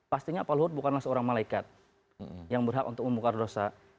pastinya pak luhut bukanlah seorang malaikat yang berhak untuk memukar dosa